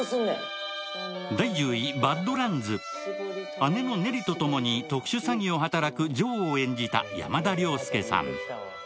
姉のネリとともに、特殊詐欺を働くジョーを演じた山田涼介さん。